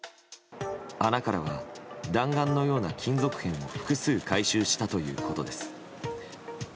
穴からは弾丸のような金属片を複数回収したということです。